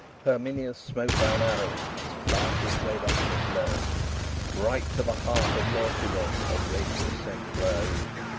XL Herminius smote down Aruns: Lartius laid Ocnus low: Right to the heart of Lausulus Horatius sent a blow.